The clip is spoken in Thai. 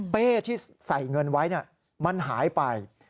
เป้ที่ใส่เงินไว้มันหายไป